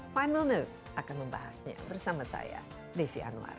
final notes akan membahasnya bersama saya desi anwar